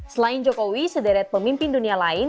selain jokowi sederet pemimpin dunia lain